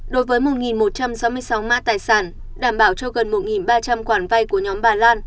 đối với một một trăm sáu mươi sáu mã tài sản đảm bảo cho gần một ba trăm linh khoản vay của nhóm bà lan